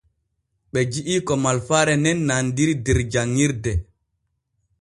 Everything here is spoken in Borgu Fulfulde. Ɓe ji’i ko malfaare nen nandiri der janɲirde.